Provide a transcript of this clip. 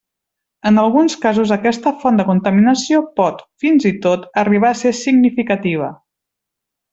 En alguns casos aquesta font de contaminació pot, fins i tot, arribar a ser significativa.